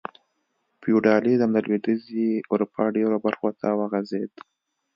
فیوډالېزم د لوېدیځې اروپا ډېرو برخو ته وغځېد.